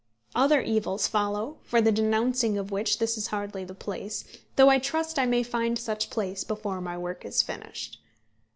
Other evils follow, for the denouncing of which this is hardly the place; though I trust I may find such place before my work is finished.